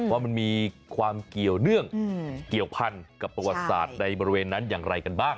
ว่ามันมีความเกี่ยวเนื่องเกี่ยวพันกับประวัติศาสตร์ในบริเวณนั้นอย่างไรกันบ้าง